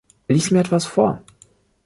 Lies mir etwas vor!